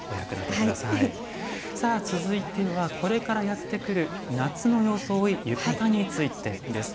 続いてはこれからやってくる夏の装い、浴衣についてです。